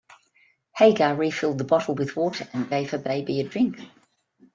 Hagar refilled the bottle with water and gave her baby a drink.